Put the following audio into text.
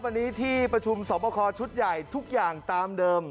วันนี้ที่ประชุมสอบคอชุดใหญ่ทุกอย่างตามเดิม